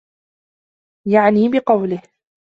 يَعْنِي بِقَوْلِهِ